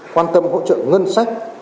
quan tâm hỗ trợ ngân sách